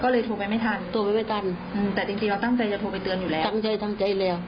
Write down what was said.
ก็เราไม่มีเองนะ